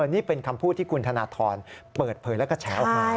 นี่เป็นคำพูดที่คุณธนทรเปิดเผยแล้วก็แฉออกมา